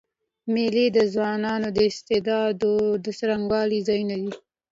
مېلې د ځوانانو د استعدادو د څرګندولو ځایونه دي.